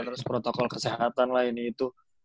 terus protokol kesehatan lah ini itu